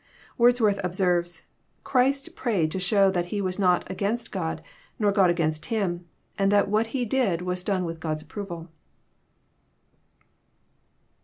Wordsworth observes :" Christ prayed to show that He was not against God, nor God against Him, and that what He did was done with God's approval."